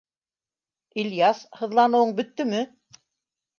— Ильяс, һыҙланыуың бөттөмө?